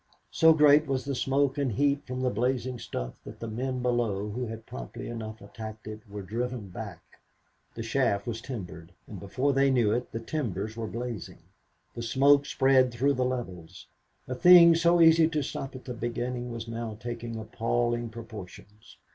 So great was the smoke and heat from the blazing stuff that the men below, who had promptly enough attacked it, were driven back. The shaft was timbered, and before they knew it the timbers were blazing. The smoke spread through the levels. A thing, so easy to stop at the beginning, was now taking appalling proportions.